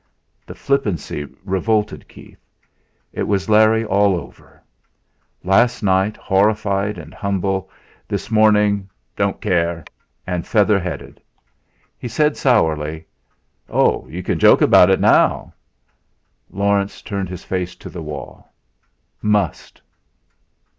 The flippancy revolted Keith. It was Larry all over! Last night horrified and humble, this morning, "Don't care" and feather headed. He said sourly: "Oh! You can joke about it now?" Laurence turned his face to the wall. "Must."